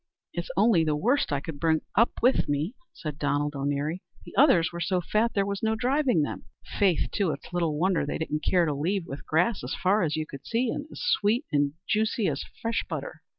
"It's only the worst I could bring up with me," said Donald O'Neary; "the others were so fat, there was no driving them. Faith, too, it's little wonder they didn't care to leave, with grass as far as you could see, and as sweet and juicy as fresh butter."